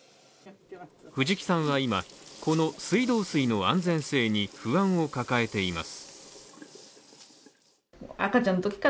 藤木さんは今、この水道水の安全性に不安を抱えています。